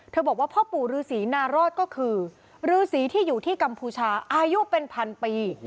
บอกว่าพ่อปู่ฤษีนารอดก็คือฤษีที่อยู่ที่กัมพูชาอายุเป็นพันปี